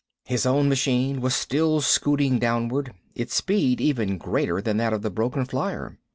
His own machine was still scooting downward, its speed even greater than that of the broken flier.